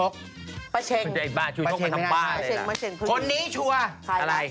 เก็บดอกไม้รวมตลอด